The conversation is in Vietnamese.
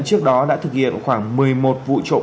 trước đó đã thực hiện khoảng một mươi một vụ trộm